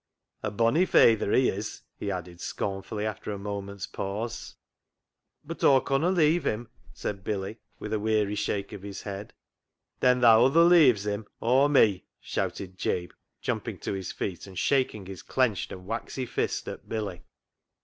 A bonny fayther he is !" he added scornfully, after a moment's pause. BILLY BOTCH 39 " But Aw conna leave him," said Billy, with a weary shake of his head. " Then tha other leaves him or me" shouted Jabe, jumping to his feet and shaking his clenched and waxy fist at Billy.